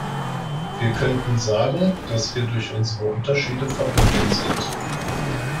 Wir könnten sagen, dass wir durch unsere Unterschiede verbunden sind.